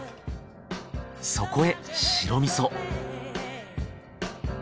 そこへ白味噌。